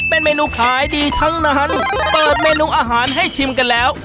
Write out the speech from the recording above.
เป็นเมนูขายดีทั้งนั้นเปิดเมนูอาหารให้ชิมกันแล้ว